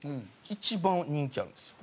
一番人気あるんですよ。